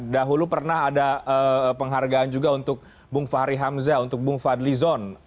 dahulu pernah ada penghargaan juga untuk bung fahri hamzah untuk bung fadli zon